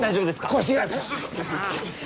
腰が。